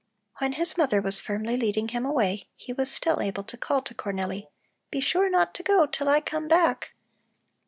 When his mother was firmly leading him away, he was still able to call to Cornelli: "Be sure not to go till I come back!"